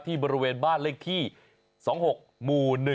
บริเวณบ้านเลขที่๒๖หมู่๑